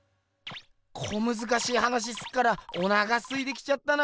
小むずかしい話すっからおなかすいきちゃったな。